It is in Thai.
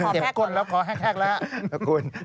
เด็บก้นแล้วขอแฮกแล้ว